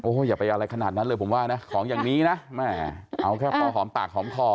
อย่าไปอะไรขนาดนั้นเลยผมว่านะของอย่างนี้นะแม่เอาแค่พอหอมปากหอมคอ